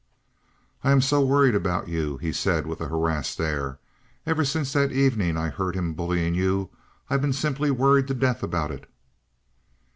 "I am so worried about you," he said with a harassed air. "Ever since that evening I heard him bullying you I've been simply worried to death about it."